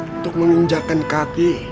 untuk menginjakan kaki